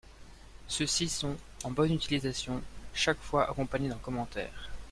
Ceux-ci sont, en bonne utilisation, chaque fois accompagnés d'un commentaire.